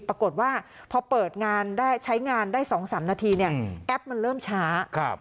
ปรากฏว่าพอเปิดงานได้ใช้งานได้๒๓นาทีเนี่ยแอปมันเริ่มช้า